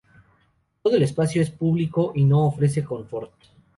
Todo el espacio es público y no ofrece "confort".